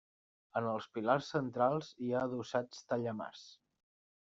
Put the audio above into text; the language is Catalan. En els pilars centrals hi ha adossats tallamars.